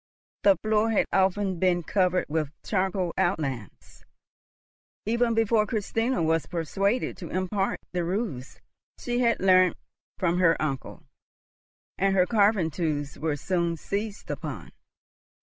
The floor had often been covered with charcoal outlines even before Christina was persuaded to impart the rules she had learnt from her uncle; and her carving tools were soon seized upon.